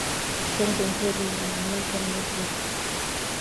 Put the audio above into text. Songs included in an "American Medley"